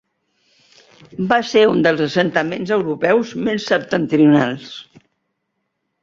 Va ser un dels assentaments europeus més septentrionals.